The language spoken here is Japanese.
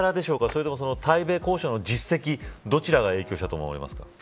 それとも対米交渉の実績どちらが影響したと思われますか。